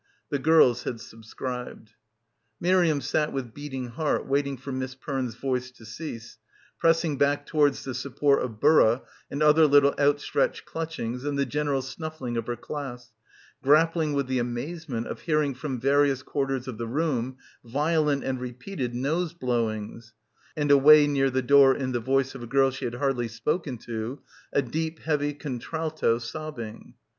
The girls had subscribed. Miriam sat with beating heart waiting for Miss Perne's voice to cease, pressing back towards the support of Burra and other little outstretched clutchings and the general snuffling of her class, grappling with the amazement of hearing from various quarters of the room violent and repeated nose blowings, and away near the door in the voice of a girl she had hardly spoken to a deep heavy contralto sobbing.